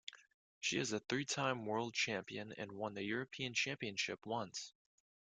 She is a three-time world champion, and won the European championship once.